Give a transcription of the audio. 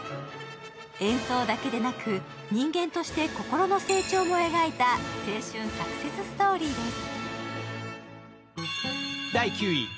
演奏だけでなく、人間として心の成長も描いた青春サクセスストーリーです。